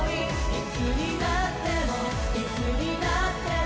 「いつになってもいつになっても」